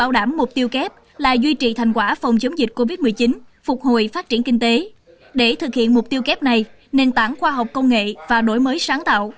để thực hiện mục tiêu kép này nền tảng khoa học công nghệ và đổi mới sáng tạo